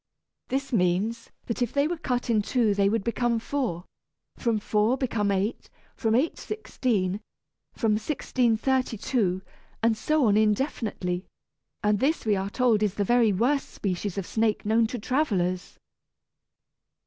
(This means that if they were cut in two they would become four, from four become eight, from eight sixteen, from sixteen thirty two, and so on indefinitely; and this, we are told, is the very worst species of snake known to travellers!)